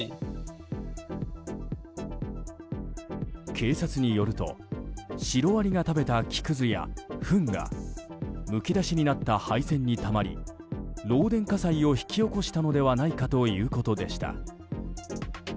警察によるとシロアリが食べた木くずや、ふんがむき出しになった配線にたまり漏電火災を引き起こしたのではないかということでした。